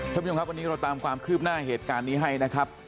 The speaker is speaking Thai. ท่านผู้ชมครับวันนี้เราตามความคืบหน้าเหตุการณ์นี้ให้นะครับ